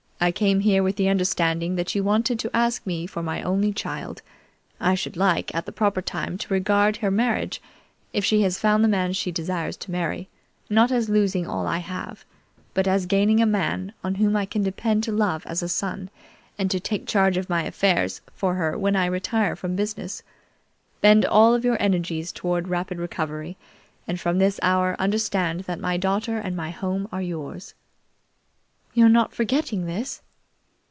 I came here with the understanding that you wanted to ask me for my only child. I should like, at the proper time, to regard her marriage, if she has found the man she desires to marry, not as losing all I have, but as gaining a man on whom I can depend to love as a son and to take charge of my affairs for her when I retire from business. Bend all of your energies toward rapid recovery, and from this hour understand that my daughter and my home are yours." "You're not forgetting this?"